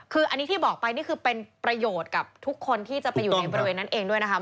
คืออันนี้ที่บอกไปนี่คือเป็นประโยชน์กับทุกคนที่จะไปอยู่ในบริเวณนั้นเองด้วยนะคะ